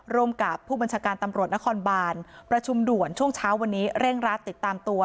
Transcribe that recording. ร่วมกับผู้บัญชาการตำรวจนครบานประชุมด่วนช่วงเช้าวันนี้เร่งรัดติดตามตัว